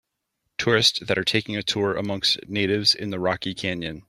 Tourist that are taking a tour amongst natives in the rocky canyon.